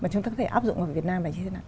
chúng ta có thể áp dụng vào việt nam